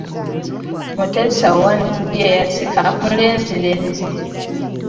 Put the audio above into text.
Mutesa I, ye yasika mulenzirenzi.